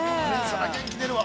◆元気出るわ。